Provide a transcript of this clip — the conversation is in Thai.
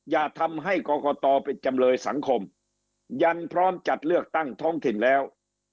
อย่าทำให้กรกตเป็นจำเลยสังคมยันพร้อมจัดเลือกตั้งท้องถิ่นแล้ว